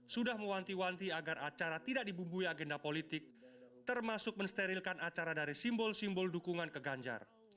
sudah mewanti wanti agar acara tidak dibumbui agenda politik termasuk mensterilkan acara dari simbol simbol dukungan ke ganjar